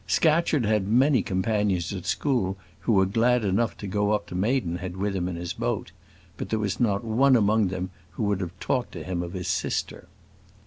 Scatcherd had many companions at school who were glad enough to go up to Maidenhead with him in his boat; but there was not one among them who would have talked to him of his sister.